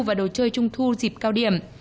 và đồ chơi trung thu dịp cao điểm